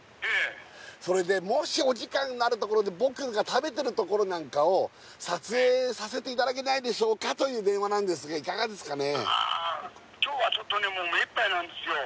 それでもしお時間のあるところで僕が食べてるところなんかを撮影させていただけないでしょうかという電話なんですがいかがですかね？